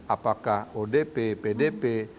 apakah odp pdp